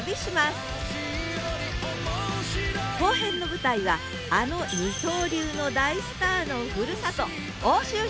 後編の舞台はあの二刀流の大スターのふるさと